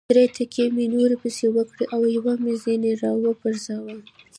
درې ټکه مې نور پسې وکړل او یو مې ځنې را و پرځاوه.